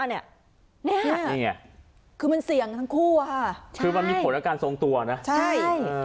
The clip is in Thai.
นี่ค่ะนี่ไงคือมันเสี่ยงทั้งคู่อะค่ะคือมันมีผลอาการทรงตัวนะใช่